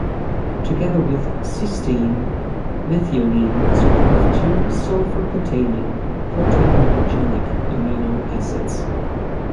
Together with cysteine, methionine is one of two sulfur-containing proteinogenic amino acids.